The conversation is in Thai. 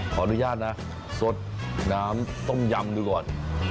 ขออนุญาตนะสดน้ำต้มยำดูก่อน